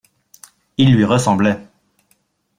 Il lui ressemblait.